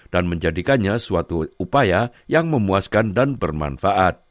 dan menjadikannya suatu upaya yang memuaskan dan bermanfaat